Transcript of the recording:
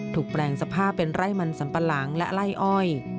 แปลงสภาพเป็นไร่มันสัมปะหลังและไล่อ้อย